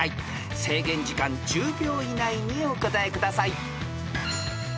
［制限時間１０秒以内にお答えください］